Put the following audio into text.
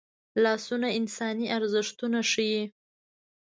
لاسونه انساني ارزښتونه ښيي